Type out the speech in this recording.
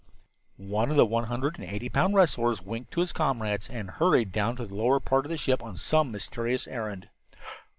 One of the one hundred and eighty pound wrestlers winked to his comrades and hurried down into the lower part of the ship on some mysterious errand.